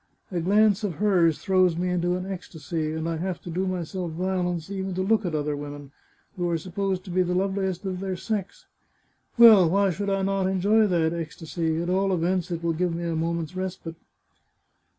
A glance of hers throws me into an ecstasy, and I have to do myself violence even to look at other women, who are supposed to be the loveliest of their sex. Well, why should I not enjoy that ecstasy? At all events, it will give me a moment's respite."